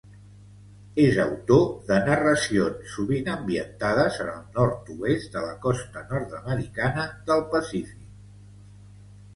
És autor de narracions sovint ambientades en el nord-oest de la costa nord-americana del Pacífic.